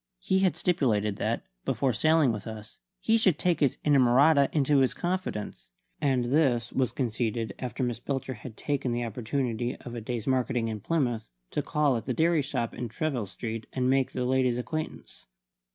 He had stipulated that, before sailing with us, he should take his inamorata into his confidence; and this was conceded after Miss Belcher had taken the opportunity of a day's marketing in Plymouth to call at the dairy shop in Treville Street and make the lady's acquaintance.